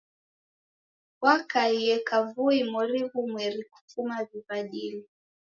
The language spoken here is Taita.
W'akaie kavui mori ghumweri kufuma w'iw'adilo.